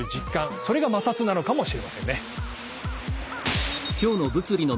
それが摩擦なのかもしれませんね。